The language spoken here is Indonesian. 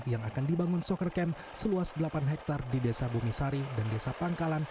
yang akan dibangun soccer camp seluas delapan hektare di desa bumi sari dan desa pangkalan